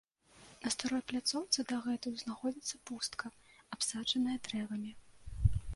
На старой пляцоўцы дагэтуль знаходзіцца пустка, абсаджаная дрэвамі.